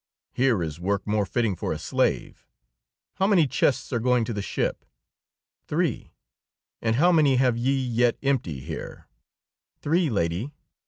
Here is work more fitting for a slave. How many chests are going to the ship?" "Three." "And how many have ye yet empty here?" "Three, lady."